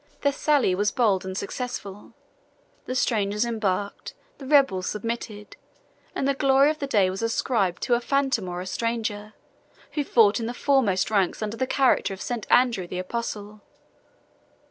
Their sally was bold and successful; the strangers embarked, the rebels submitted, and the glory of the day was ascribed to a phantom or a stranger, who fought in the foremost ranks under the character of St. Andrew the Apostle.